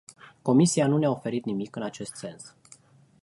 Comisia nu ne-a oferit nimic în acest sens.